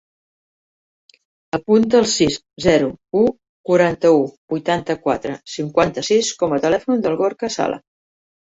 Apunta el sis, zero, u, quaranta-u, vuitanta-quatre, cinquanta-sis com a telèfon del Gorka Sala.